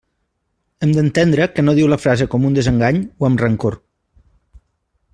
Hem d'entendre que no diu la frase com un desengany o amb rancor.